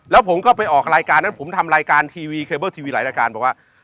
แล้วผมก็ไปออกรายการนั้นผมทำรายการทีวีเคเบิลทีวีหลายรายการบอกว่า